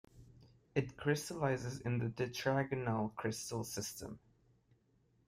It crystallizes in the tetragonal crystal system.